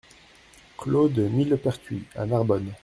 Clos du Millepertuis à Narbonne